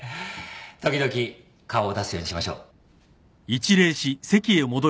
時々顔を出すようにしましょう。